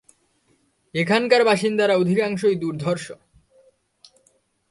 এখানকার বাসিন্দারা অধিকাংশই ছিল দুর্ধর্ষ।